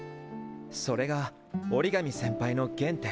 それが折紙先輩の原点。